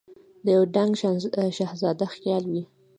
د یو دنګ شهزاده خیال وي